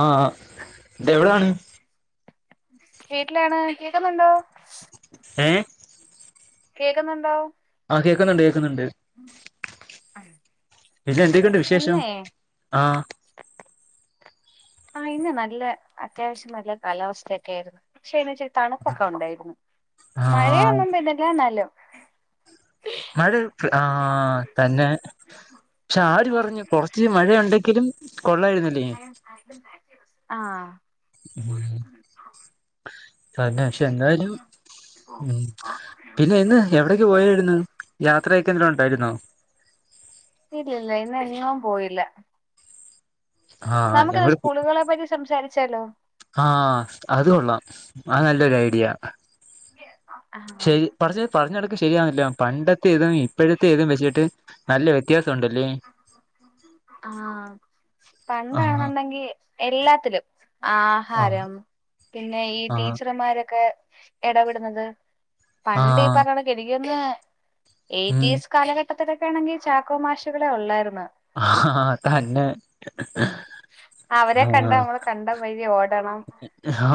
ആഹ എവിടാണ് വീട്ടിലാണ് കേക്കുന്നുണ്ടോ. ഏഹ കേക്കുന്നുണ്ടോ ആഹ കേക്കുന്നുണ്ട് കേക്കുന്നുണ്ട് പിന്നെ എന്തക്കണ്ട് വിശേഷം ഇന്നേ ആഹ ആഹ ഇന്ന് നല്ല അത്യാവശ്യം നല്ല കാലാവസ്ഥയൊക്കെ ആയിരുന്നു പക്ഷേ ഇച്ചിരി തണുപ്പൊക്കെ ഉണ്ടായിരുന്നു ആഹ് മഴയൊന്നും പിന്നെല്ല നല്ലോ മഴ ഴക്കആഹ തന്നെ പക്ഷെ ആര് പറഞ്ഞു കൊറച്ച് മഴയ ഉണ്ടെങ്കിലും കൊള്ളാായിരുന്നിടി ആഹ [unintelligible] അ ഹപക്ഷെ എന്തായാലും ഉ പിന്നെ ഇന്ന് എവിടെ പോയരുന്നു യാത്രയക്കെിലം ഉണ്ടായിരുന്നോ ഇല്ലല്ല ഇന്ന എങ്ങും പോയില്ല ആഹ് നമുക്കാ ഞങ്ങള് സ്കൂളുകളെ പറ്റി സംസാരിച്ചാലോ ആഹ അത കൊള്ളാം അത് നല്ലൊരു ഐഡിയ ആ ശരി പറ പറഞ്ഞിടക്ക് ശരിയാവുന്നില്ലോ പണ്ടത്തെേതും ഇപ്പോഴത്തെ തും വെച്ചിട്ട് നല്ല വ്യത്യാസ ഉണ്ടല്ലേ ആഹ ആഹ് പണ്ടാെന്നുണ്ടെങ്കി എല്ലാത്തിലും ആഹ് ആഹാരം പിന്നെ ഈ ആഹ് ടീച്ചർമാരൊക്കെ ഇടപെടുന്നത് പണ്ട് ഈ ആഹ് പറയണം കെടിക്കന്ന് ഉം എറ്റീസ് കാലഘട്ടത്തിലൊക്കെ ആണെങ്കിൽ ചാക്കോമാശികളെ ഉള്ളായിരുന്നു ആഹ തന്നെ അവരെ കണ്ട ആഹ് നമ്മള് കണ്ട മാരി ഓടണം ആഹ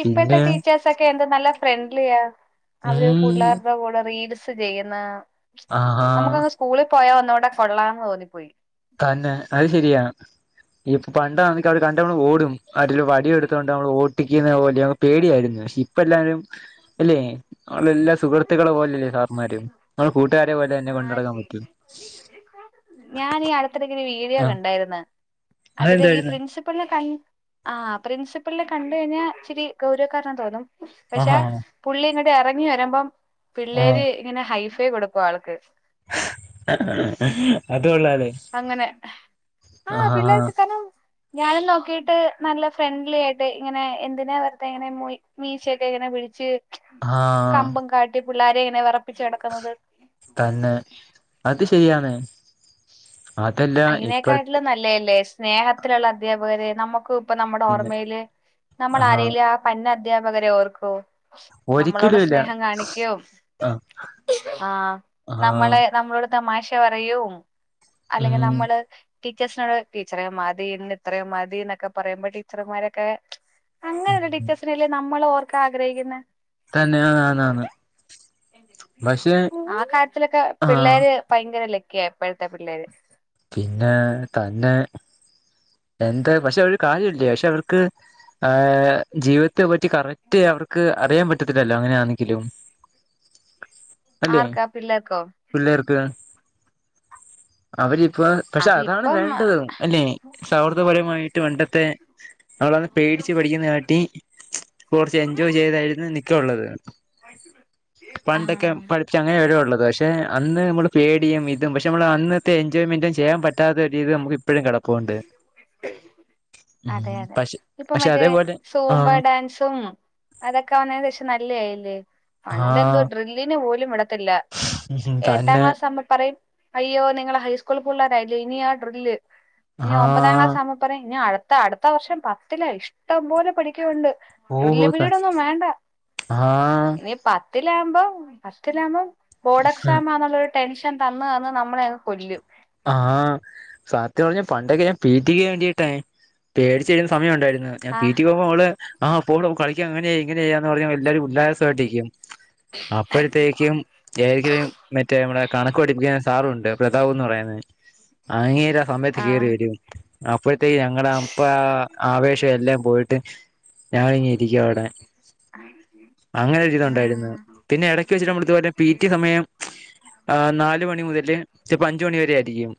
പിന്നെ ക്കെ എ നല്ല ഫ്രണ്ട്ലിയ അവര് ഉം പിള്ളേരുടെ കൂടെ റീഡ്സ് ചെയ്യുന്ന ആഹാ നമുക്കങ്ങ് സ്കൂളിൽ പോയാ ഒന്നോടെ കൊള്ളാംന്ന് തോന്നിപ്പോയി തന്നെ അത് ശരിയാ ഇപ്പൊ പണ്ടാക്ക് അവിടെ കണ്ടവടെ ഓടും അതില് വടി എടുത്തോണ്ട് നമ്മൾ ഓട്ടിക്കുന്ന പോലെ പേടിയായിരുന്നു പക്ഷെ ഇപ്പ എല്ലാരും എല്ലേ നമ്മളെല്ലാ സുഹൃത്തുക്കളെ പോലല്ലേ സാർമാരും നമ്മള് കൂട്ടുകാരെ പോലെ തന്നെ ആഹ് കൊണ്ടടക്കാൻ പറ്റും ഞാൻ ഈ അടുത്തിടെക്ക ഒരു വീഡിയോ ആഹ് കണ്ടായിരുന്നു അതില് ഈ അതെന്തായിരുന്നു പ്രിൻസ് പിൾനെ കണ് ആഹ് പ്രിൻസിപ്പ്ളിനെ കണ്ട് കഴിഞ്ഞാൽ ഇച്ചിരി ഗൗരവക്കാരനാ തോന്നും പക്ഷെ ആഹാ പുള്ളി ഇങ്ങോട്ട് ഇറങ്ങി വരുമ്പം ആഹ് പിള്ളേര് ഇങ്ങനെ ഹൈ ഫെ കൊടുക്കും ആൾക്ക് അത് കൊള്ളാല്ലോ അങ്ങനെ ആഹ് പിള്ളേ [unintelligible] ഞാനും നോക്കിട്ട് നല്ല ഫ്രണ്ട്ലി ആയിട്ട് ഇങ്ങനെ എന്തിനാ വെർ തെങ്ങനെ മൊയി മീശയൊക്കെ എങ്ങനെ പിടിച്ച് ആഹ് കമ്പം കാട്ടി പിള്ളേരെ എങ്ങനെ വെറപ്പിച്ച് നടക്കുന്നത് തന്നെ അത് ശരിയാണ് അതല്ല ഇപ്പഴ് അയ്നേക്കാട്ടിലും നല്ലേല്ലേ സ്നേഹത്തിലുള്ള അധ്യാപകരെ നമുക്ക് ഇപ്പൊ നമ്മുടെ പിന്നെ ഓർമയില് നമ്മൾ ആഹാ ആരെലാ ആഹ് പന്ന അദ്ധ്യാപകരെ ഓർക്കോ അമ്മളോട് ഒരിക്കലും ഇല്ല സ്നേഹം കാണിക്കും ആ ആഹ് ആ നമ്മളെ നമ്മളോട് തമാശ പറയും അല്ലെങ്കിൽ ഉം നമ്മള് ടീച്ചേഴ്സിനോട് ടീച്ചറേ മതി ഇന്ന് ഇത്രയും മതി എന്നൊക്കെ പറയുമ്പോ ടീച്ചർമാരൊക്കെ അങ്ങനെയുള്ള ടീച്ചേഴ്സിനല്ലേ നമ്മള് ഓർക്കാ ആഗ്രഹിക്കുന്നെ തന്നെ ആന്നാന്ന് പക്ഷെ ആഹ് കാര്യത്തിലൊക്കെ ആ പിള്ളേര് ഭയങ്കര ലക്ക്യ ഇപ്പോഴത്തെ പിള്ളേര് പിന്നെ തന്നെ എന്താ പക്ഷെ അവര് കാര്യല്ലേ പക്ഷെ അവർക്ക് ആ ജീവിതത്തെ പറ്റി കറക്റ്റ് അവർക്ക് അറിയാൻ പറ്റത്തില്ലല്ലോ അങ്ങനെയാണെങ്കിലും അല്ലെ ആർക്കാ പിള്ളെർക്കോ പിള്ളേർക്ക് അവരിപ്പോ പക്ഷെ അത് അതാണ് ഇപ്പം വേണ്ടതും അല്ലേ സൗഹൃദപരമായിട്ട് പണ്ടത്തെ അ [unintelligible] പേടിച്ച് പഠിക്കുന്ന കാട്ടി കൊർച്ച് എൻജോയ് ചെയ്തായിരുന്നു നിക്കള്ളത് പണ്ടൊക്കെ ആഹ് പഠിച്ച അങ്ങനെ വരെള്ളത് പക്ഷെ അന്ന് നമ്മള് പേടിയും വി [unintelligible] പക്ഷെനമ്മൾ അന്നത്തെ എൻജോയ്മെന്റും ചെയ്യാൻ പറ്റാത്ത ഒരു രീതി നമുക്ക്പ്പഴും കെടപ്പുണ്ട് അതെ അതെ പക്ഷെ ഇപ്പൊ പക്ഷെ മറ്റേ അതേപോലെ ആ സൂമ്പ ഡാൻസും അതൊക്കെ വന്നതിന് ശേഷം നല്ല ആയില്ലേ ആ [unintelligible] ഡ്രില്ലിന് പോലും വിടത്തില്ല എട്ടാം തന്നെ ക്ലാസ് ആവുമ്പ പറയും അയ്യോ നിങ്ങളെ ഹൈസ്കൂള് പിള്ളേരായില്ലോ ഇനിയ ആ ഡ്രില്ല് ഇനി ആ ഒമ്പതാം ക്ലാസ് ആകുമ്പോ പറിം ഇനി അടുത്ത അടുത്ത വർഷം പത്തില ഇഷ്ടം പോലെ പഠിക്കവുണ്ട് ഓ ത്രില്ല് പിരീഡ് ഒന്നും വേണ്ട ആ ഇനി പത്തിലാകുമ്പോ പത്തിലുമ്പോ ബോർഡ് എക്സാം ആണെള്ളുരു ടെൻഷൻ തന്ന നമ്മളെ അങ്ങ് കൊല്ലും ആഹ് സത്യം പർഞ്ഞ പണ്ടൊക്കെ ഞാൻ പീറ്റിക്ക് വേണ്ടിട്ടേ പേടിച്ചെഴുതുന്ന സമയ ഉണ്ടായിരുന്നു ഞാൻ ആഹ് പിടി പോകുമ്പോൾ നമ്മള് ആ പ്പോ കളിക്കാ അങ്ങനെയങ്ങനെയ്യാന്ന് പർഞ്ഞ് എല്ലാരും ഉല്ലാസായിട്ടിരിക്കും. അപ്പോഴത്തേക്കും എരിക്കലും മറ്റേ നമ്മടെ കണക്ക് പടിപ്പിക്കാൻ സാറുണ്ട് [unintelligible] പറയുന്നത് അങ്ങേര സമയത്ത് കയറി ആഹ് വെരും അപ്പോഴത്തേക്ക് ഞങ്ങടെ അപ്പ ആവേശം എല്ലാം പോയിട്ട് ഞങ്ങിനി ഇരിക്ക അവടെ അങ്ങനെ ഒരു ജീവിതണ്ടായിരുന്നു ആഹ് പിന്നെ എടക്ക് വെച്ചി് നമ്മളിത് വരെ പി ടി സമയം ആഹ് നാല് മണി മുതല് ചെൽപ്പ അഞ്ച് മണി വരെ ആയി യും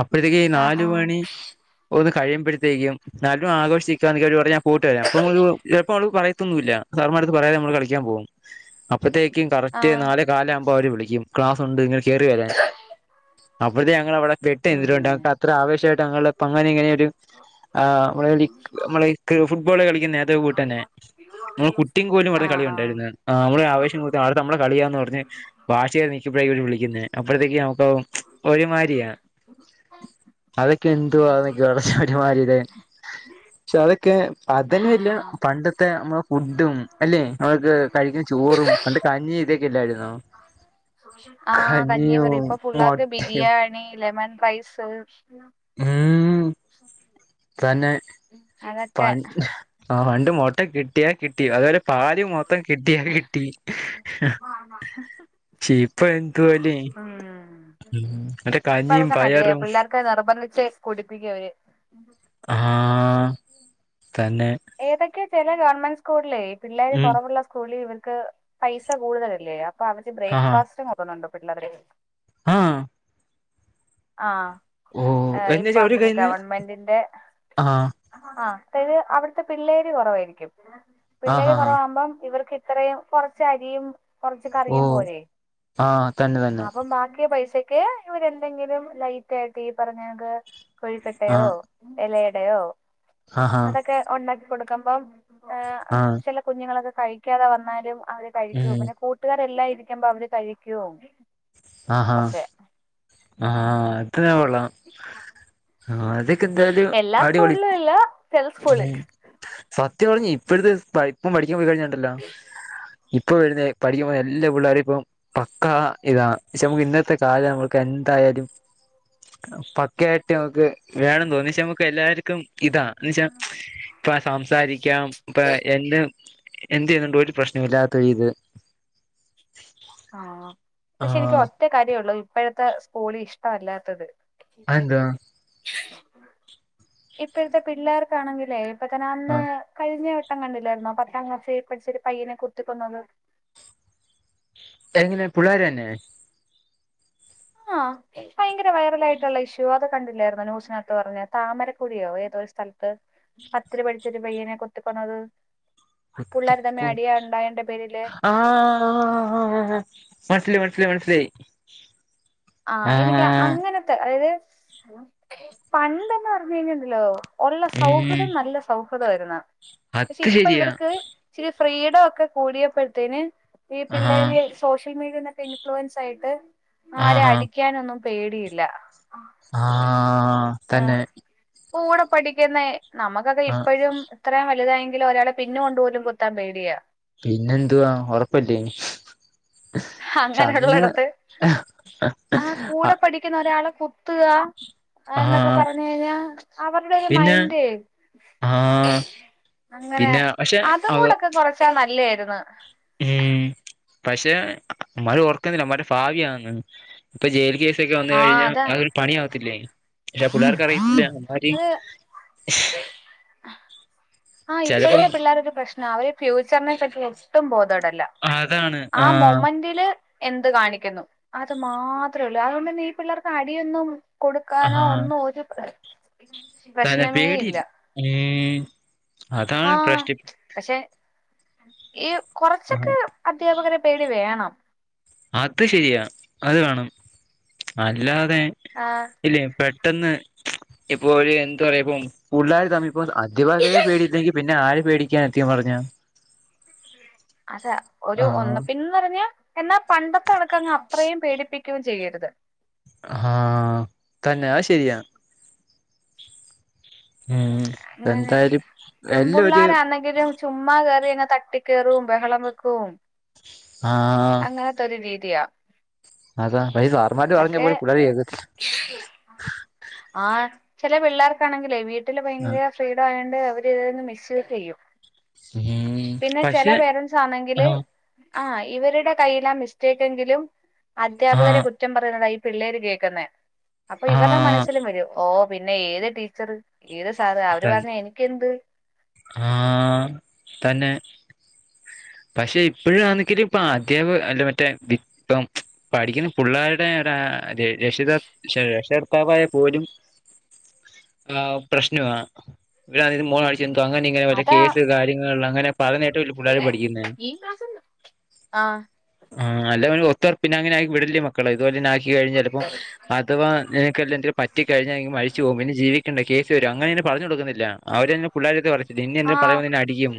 അപ്പോഴത്തേക്ക് ആഹ് നാല് ആഹ് മണി ഒന്ന് കഴിയുമ്പോഴത്തേക്കും എന്നാലും ആഘോഷിക്കാന്ന് കി പറഞ്ഞ ഞാൻ പോയിട്ട് വരാം അപ്പൊ എപ്പോം അത് പറയത്തൊന്നുല്ല സാർമാടുത്ത് പറയാതെ നമ്മള് കളിക്കാൻ പോകും അപ്പഴത്തേക്കും കറക്റ്റ് ആഹ് നാല് കാലാവുമ്പോ അവര് വിളിക്കും ക്ലാസ് ഉണ്ട് നിങ്ങൾ കേറി വരാൻ അപ്പോഴത്തെ ഞങ്ങൾ അവിടെ പെട്ട് ഉം എട്ടുണ്ട് ഞക്ക് അത്ര ആവശ്യമായിട്ട് അങ്ങനെ ഇങ്ങനെ ഒരു [unintelligible] നമ്മൾ ഫുട്ബോള കളിക്കുന്ന നമ്മൾ കുട്ടിക്ക് കോലും പറഞ്ഞ ആഹ് ആഹ് കളിണ്ടായിരുന്നു നമ്മള് ആവശം കൊടു ആ നമ്മളെ കളിയാന്ന് പറഞ്ഞ വാശി കേറി നിക്കുമ്പോഴാ വിളിക്കുന്നേ അപ്പഴത്തേക്ക് നമുക്ക് ഒരുമാതിരിയാ അതക്കെ എന്തുവാ [unintelligible] പക്ഷെ അതൊക്കെ അതന്നെയ വല്ല ആഹ് പണ്ടത്തെ നമ്മളുടെ ഫുഡും അല്ലേ നമ്മക്ക് കഴിക്കുന്ന ചോറും കഞ്ഞി ഇതൊക്കെല്ലായിരുന്നു ആഹ് കഞ്ഞിയോ കഞ്ഞിപറി ഇപ്പൊ മൊ പിള്ളേർക്ക് ബിരിയാണി ലെമൻ റൈസ് ഉം മം തന്നെ ആ പണ്ട് മോട്ട കിട്ടിയാ കിട്ടിയ അതുപോലെ പാല് മൊത്തം കിട്ടിയാ കിട്ടി ഇപ്പ എന്തുവല്ലേ ഉം കഞ്ഞിയും പയറും നിർബന്ധിപ്പിച്ച് കുടിപ്പിക്ക അവര് ആഹ് തന്നെ ഏതൊക്കെ ചില ഗവൺമെന്റ് സ്കൂളിൽ ഈ പിള്ളേർ ഉം കുറവുള്ള സ്കൂള ഇവർക്ക് പൈസ കൂടുതലല്ലേ അപ്പൊ അവക്ക് ആ ബ്രേക്ക്ഫാസ്റ്റ് കൊണ്ടുവരുന്നുണ്ട് പിള്ളേരെ ആഹ് ഓ ആഹ് ഇപ്പൊ എന്നുവെച്ചാ ആ ഒരു കൈന്ന് ഗവൺമെന്റിന്റെ ആ ആഹ് അതായത് അവിടുത്തെ പിള്ളേരി കുറവായിരിക്കും ആ പിള്ളേരി ഹാ ഹാ കുറവകുമ്പോം ഇവർക്ക് അത്രയും കൊറച്ച അരിയും കൊറച്ച ഓ കറിയും പോരെ ആ തന്നെ തന്നെ അപ്പം ബാക്കിയ പൈസ ക്കെ ഇവരെന്തെങ്കിലും ലൈറ്റ് ആയിട്ട് പറഞ്ഞത് ആ കോഴിക്കട്ടയോ ഇലയടെയോ ആ ഹാ അതൊക്കെ ഉണ്ടാക്കി കൊടുക്കുമ്പോൾ ആ കുഞ്ഞുങ്ങളൊക്കെ കഴിക്കാതെ വന്നാലും അവര് കഴിക്ക ഉം പിന്നെ കൂട്ടുകാരെല്ലാം ഇരിക്കുമ്പോ അവര് കഴിക്കുവും ആഹ് ആഹ് അത് കൊള്ളാം അത്‌ അതെന്തായാലും എല്ലാ അടിപൊളി സ്കൂളിലും ഇല്ല ചില ഉം സ്കൂളിൽ സത്യം പറഞ്ഞ് ഇപ്പഴത്തെ ഇപ്പം പഠിക്കാൻ പോയി കഴിഞ്ഞിണ്ടല്ലോ ഇപ്പൊ വരുന്ന പഠിക്കുമ്പോ എല്ലാ പിള്ളേർ ഇപ്പം പക്ക ഇതാണ് പക്ഷെ നമുക്ക് ഇന്നത്തെ കാല നമ്മ ന്തായാലും പക്കായിട്ട് നമുക്ക് വേണ തോന്നി വെച്ചാ നമ്മക്ക് എല്ലാർക്കും ഇതാ എന്ന് വെച്ചാ ഇപ്പം സംസാരിക്കാം ഇപ്പം എന്റെ എന്ത് ചെയ്തോണ്ട ഒരു പ്രശ്നല്ലാത്ത ഇത് [inaudible] ആഹ് ആ പക്ഷെ എനിക്ക് ഒറ്റ കാര്യംള്ളൂ ഇപ്പോഴത്തെ സ്കൂള് ഇഷ്ടമല്ലാത്തത് അതെന്തുവാ ഇപ്പഴത്തെ പിള്ളേർക്കാണെങ്കിലേ ഇപ്പം തന്നെ ആ അന്ന് കഴിഞ്ഞ പത്രം കണ്ടില്ലായിരുന്നോ പത്താം ക്ളാസ് പഠിച്ച പയ്യനെ കുത്തിക്കൊന്നത് എങ്ങനെ പിള്ളേരന്നെ ആഹ് ഭയങ്കര വൈറലായിട്ടുള്ള ഇഷ്യൂ അത് കണ്ടില്ലായിരുന്നു ന്യൂസിനകത്ത് പറഞ്ഞ താമരക്കുടിയോ ഏതോ സ്ഥലത്ത് പത്തില് പഠിച്ചിട്ട പയ്യനെ കുത്തി കൊന്നത് പുള്ളേർ തന്നെ അടിയാ ഉണ്ടായേന്റെ പേരില് ആഹ് മനസ്സിലായി മനസ്സിലായി മനസ്സിലായി ആഹ് എനിക്ക് ആ അങ്ങനത്തെ അതായത് പണ്ട് എന്ന് പറഞ്ഞ് കഴിഞ്ഞാൽ ഉണ്ടല്ലോ ഉള്ള ഉം സൗഹൃദം നല്ല സൗഹൃദം ആയിരുന്നു പക്ഷെ അത് ഇപ്പൊ ശരിയാ ഇവർക്ക് ഇച്ചിരി ഫ്രീഡം ഒക്കെ കൂടിയപ്പഴത്തേന് ഈ ആ പിള്ളേര് സോഷ്യൽ മീഡിയന്ന് ഒക്കെ ഇൻഫ്ലുവൻസ് ആയിട്ട് ആ ആരെ അടിക്കാനൊന്നും പേടിയില്ല ആഹ് ആഹ് തന്നെ കൂടെ പഠിക്കുന്ന നമുക്കൊക്കെ ആ ഇപ്പഴും ഇത്രയും വലുതായെങ്കിലും ഒരാളെ പിന്ന് കൊണ്ടു പോലും കുത്താൻ പേടിയാ പിന്നെന്തുവാ ഒറപ്പല്ലേ അങ്ങനെ ഉള്ളിടത്ത് ആഹ് കൂടെ പഠിക്കുന്ന ഒരാളെ കുത്തുകാ അത് ആ എന്നൊക്കെ പറഞ്ഞ് കഴിഞ്ഞാ അവരുടെ ഒരു പിന്നെ മൈൻഡെ ആ അങ്ങനെ പിന്നെ പക്ഷെ അതും കൂടെ ഒക്കെ കൊറച്ചാൽ നല്ലായിരുന്നു ഏഹ് പക്ഷെ ഇവൻമാര് ഓർക്കുന്നില്ല ഇവൻമാര് പാപിയാണെന്ന് ഇപ്പൊ ജയിൽ കേസൊക്കെ വന്ന് ആഹ് കഴിഞ്ഞാൽ അതൊരു അതാ പണിയാവത്തില്ലേ ഇല്ല പുള്ളേർക്ക് അറിയത്തില്ല അവൻമാര് അത് ആഹ് ഇപ്പഴത്തെ പിള്ളേരുടെ പ്രശ്നാ അവര് ഫ്യൂച്ചറിനെ പറ്റി ഒട്ടും ബോധേടല്ല അതാണ് ആ ആഹ് മൊമന്റില് എന്ത് കാണിക്കുന്നു അത് മാത്രെ ഉള്ളൂ അതുകൊണ്ട് തന്നെ ഈ പിള്ളേർക്ക് അടിയൊന്നും കൊടുക്കാനോ ആഹ് ഒന്നും ഒരു പ്ര തന്നെ പേടിയില്ല ഏഹ് അതാണ് ആഹ് പ്രശ് പക്ഷെ ഈ ആഹ് കൊറച്ചൊക്കെ അദ്ധ്യാപകരെ പേടി വേണം അത് ശരിയാ അത് വേണം അല്ലാതെ ആഹ് ഇല്ലേ പെട്ടെന്ന് ഇപ്പോ ഒരു എന്താ പറയാ ഇപ്പം പുള്ളാർ തമ്മി ഇപ്പൊ അധ്യാപകരെ പേടിയില്ലെങ്കിൽ പിന്നെ ആരെ പേടിക്കാ സത്യം പറഞ്ഞാ അതാ ഒരു ആഹ് ഒന്ന് പി ന്ന് പറഞ്ഞ എന്നാ പണ്ടത്തെ കണക്കെ അങ്ങ് അത്രയും പേടിപ്പിക്കുകയും ചെയ്യരുത് ആഹ് തന്നെ അത് ശരിയാ ഏഹ് എന്തായാലും എല്ലാ ഒര് എങ്കിലും ചുമ്മാ കയറി അങ്ങനെ തട്ടി കയറും ബഹളം വെക്കോം ആഹ് അങ്ങനത്തെ ഒരു രീതിയാ അതാ അപ്പ ഈ സാറൻമാര് പറഞ്ഞ പോലെ പിള്ളേരെ എതി ആഹ് ചെല പിള്ളേർക്ക് ആണെങ്കിലേ വീട്ടില് ആഹ് ഭയങ്കര ഫ്രീഡം ആയോണ്ട് അവര് തന്നെ മിസ്യൂസ് ചെയ്യും ഉം പിന്നെ ചെല പക്ഷെ പേരൻസ് ആണെങ്കില് ആഹ് ആഹ് ഇവരുടെ കയ്യിലാ മിസ്റ്റേക്ക് എങ്കിലും അദ്ധ്യാപകരെ ആഹ് കു റ്റം പറയുന്നതാ ഈ പിള്ളേര് കേക്കുന്നേ അപ്പൊ ഇവരുടെ ആഹ് മനസ്സിലും വരും ഓഹ് പിന്നെ ഏത് ടീച്ചറ് ഏത് സാറ് അവര് ത പറഞ്ഞ എനിക്കെന്ത് ആഹ് തന്നെ പക്ഷെ ഇപ്പഴും ആണെങ്കില് ഇപ്പ അധ്യാപക് അല്ല മറ്റേ വി ഇപ്പം പഠിക്കുന്ന പുള്ളേരുടെ ടാ ര രക്ഷിത പക്ഷെ പിതാവായ പോലും ആഹ് പ്രശ്നവാ [unintelligible] എന്തോ അങ്ങനെ ഇങ്ങനെ മറ്റെ അതാ കേസ് കാര്യങ്ങൾ അങ്ങനെ പറഞ്ഞി [unintelligible] പുള്ളാര് പഠിക്കുന്നെ ഈ ആ ആഹ് അല്ലപിന്നെ [unintelligible] പിന്നെ അങ്ങനെ ആയി വിടല്ലേ മക്കളെ ഇതുപോലെ ആക്കി കഴിഞ്ഞ ചിലപ്പം അഥവാ നിനക്കെന്തെങ്കിലും പറ്റികഴിഞ്ഞാൽ നീ മരിച്ചു പോകും പിന്ന ജീവിക്കണ്ട കേസ് വരും അങ്ങനെ പിന്നെ പറഞ്ഞൊടുക്കുന്നില്ല അവരെന്നെ പുള്ളാരുവായിട്ട് കളിച്ച് ആ [unintelligible] പറയാവന്ന എന്നെ അടിക്കും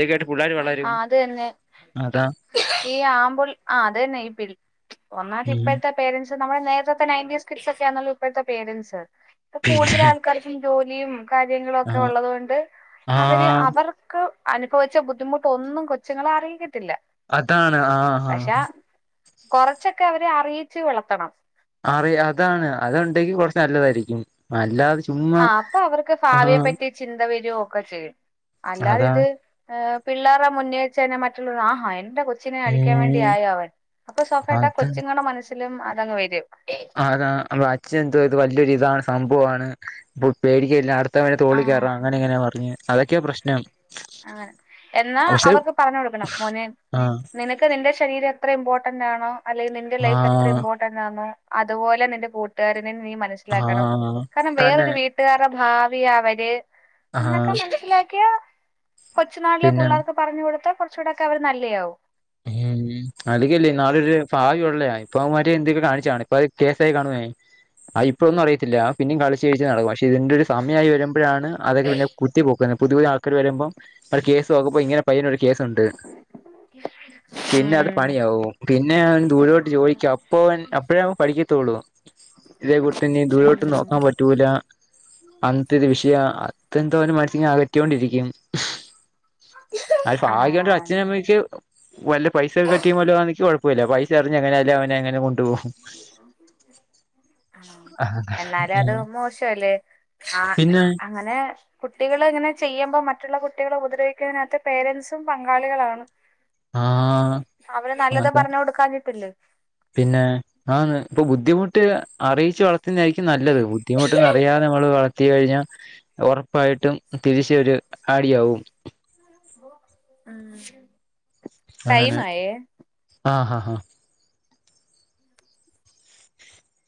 ഇത്കേട്ട് പുള്ളാര് ആഹ് അതന്നെ അതാ ഈ ആമ്പുൾ ആഹ് അതെന്നെ ഈ പിൾ ഒന്നാമത് ഉം ഇപ്പഴത്തെ പേരന്റ്സ് നമ്മുടെ നേരത്തെ നയന്റീൻസ് കിഡ്സൊക്കെയാണല്ലോ ഇപ്പോഴത്തെ പേരന്റ്സ് ഇപ്പൊ കൂടുതൽ പിന്നെ ആൾക്കാർ ക്കും ജോലിയും കാര്യങ്ങളും ആ ഒക്കെ ഉള്ളത്കൊണ്ട് ആ അവര് അവർക്ക് അനുഭവിച്ച ബുദ് ദ്ധിമുട്ടൊന്നും കൊച്ചുങ്ങളെ അറിയിക്കത്തില്ല അതാണ് ആഹ് പക്ഷെ ആഹ് കൊറച്ചൊക്കെ അവരെ അറിയിച്ച് വളർത്തണം അറിയ അതാണ് അത്ണ്ടെങ്കി കുറച്ച്നല്ലതായിരിക്കും അല്ലാതെ ചുമ്മാ ആഹ് ചിന്തവരൊക്കെ ചെയ്യും അല്ലാതെ അതാ ഇത് പിള്ളാർടെ മുന്നിവെച്ചന്നെ മറ്റുള്ളവരുടെ ആഹാ എന്റെ കൊച് ച്ചിനെ അടിക്കാൻ വേണ്ടി ഉം ആയി അവൻ അപ്പൊ സ്വാഭാവികായിട്ടും ആ അതാ കൊച്ചുങ്ങളുടെ മനസ്സിലും അതങ്ങ് വരും അതാ അപ്പൊ അച്ഛൻ എന്തോയ്ത് വല്ലൊരിതാണ് സംഭവമാണ് അപ്പൊ പേടിക്ക [unintelligible] [unintelligible] ആ തോളികേറാ അങ്ങനെ ഇങ്ങനെ പറഞ്ഞ് അതൊക്കെയാ പ്രശ്നം അങ്ങനെ എന്നാ പക്ഷെ അവർക്ക് പറഞ്ഞുകൊടുക്കണം മോനെ ആ നിനക് ക്ക് നിന്റെ ശരീരം എത്ര ഇമ്പോർട്ടന്റാണോ അല്ലെങ്കി നിന്റെ ആ ലൈഫ് എത്ര ഇമ്പോ ന്റാന്നൊ അതുപോലെ നിന്റെ കൂട്ടുകാരനെ നീ ആ മനസിലാക്കണം കാരണം തന്നെ വേറൊരു വീട് ട്ട്കാരെ ഭാവിയ അവര് ആ എന്നൊക്കെ മനസ്സിലാക്കിയാ കൊച്ചുനാളിലെ പിന്നെ പുള്ളേർക്ക് പറഞ്ഞ് കൊടുത്താ കുറച്ചൂടെക്കെ അവര് നല്ലയാവും [unintelligible] അതികല്ലേ നാളൊരു ഭാവിയുള്ളയാ ഇപ്പവൻമാര് എന്തൊക്കെ കാണിച്ചാണ് ഇപ്പത് കേസ് ആയി കാണുവെ അത് ഇപ്പവൊന്നും അറിയത്തില്ല പിന്നിം കളിച്ച്കളിച്ച് നടക്കും പക്ഷെ ഇതിന്റെ ഒരു സമയമായി വരുമ്പോഴാണ് അതൊക്കെ പിന്നെ കുത്തി പൊക്കുന്നത് പുതിയ പുതിയ ആൾക്കാർ വരുമ്പം അവടെ കേസ് നോക്കുമ്പ ഇങ്ങനെ പയ്യനൊരു കേസുണ്ട് പിന്നെ അത് ഉം പണിയാവും പിന്നെ അവൻ ദൂരോട്ട് ജോലിക്ക് അപ്പ അവൻ അപ്പഴേ അവൻ പഠിക്കത്തുള്ളൂ ഇതേ കുട്ടിയന്നെ ദൂരോട്ട് ഉം നോക്കാൻ പറ്റൂല അന്നെത്തൊര് വിഷയ അത്ര എന്തോനും മനസ്സിനെ അകറ്റിക്കൊണ്ടിരിക്കും അത് ഭാഗ്യണ്ടെ ആഹ് അച്ഛനും അമ്മക്ക് വല്ല പൈസ ഒക്കെ ടീം വല്ലോആണെങ്കി കുഴപ്പവില്ല പൈസ എറിഞ്ഞ് എങ്ങനെയായാലും അവനെങ്ങന കൊണ്ട് പോവും [inaudible] ആഹ് എന്നാലും അത് മോശല്ലേ ആ പിന്നെ അങ്ങനെ കുട്ടികൾ ഇങ്ങനെ ചെയ്യുമ്പോ മറ്റുള്ള കുട്ടികളെ ഉപദ്രവിക്കുന്നതിനകത്ത് പേരന്റ്സും പങ്കാളികളാണ് ആഹ് അവര് നല്ലത് അതാ പറഞ്ഞു കൊടുക്കാഞ്ഞിട്ടല്ലെ പിന്നെ ആന്ന് ഇപ്പൊ ബുദ്ധിമുട്ടിതാ അറിയിച്ചു വളർത്തുന്നതായിരിക്കും നല്ലത് ബുദ്ധിമുട്ടൊന്നും അറിയാതെ നമ്മള് വളർത്തി കഴിഞ്ഞാൽ ഉറപ്പായിട്ടും തിരിച്ചൊരു അടിയാവും ഉം ടൈം അങ്ങനെ ആയേ ആഹ് ഹഹാ